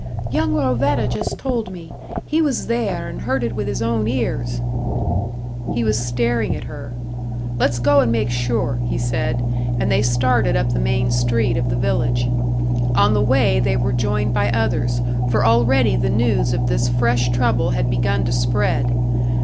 "Young Rovetta just told me. He was there, and heard it with his own ears." He was staring at her. "Let's go and make sure," he said, and they started up the main street of the village. On the way they were joined by others for already the news of this fresh trouble had begun to spread.